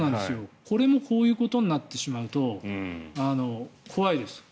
これもこういうことになってしまうと怖いです。